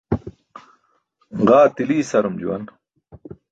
Ġaa tili isarum juwan